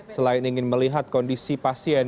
selain ingin melihat kondisi pasien